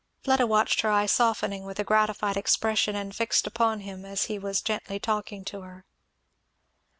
Fleda watched her eye softening with a gratified expression and fixed upon him as he was gently talking to her.